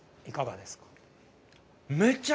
いかがですか？